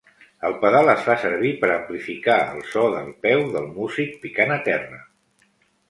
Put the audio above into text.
El pedal es fa servir per amplificar el so del peu del músic picant a terra.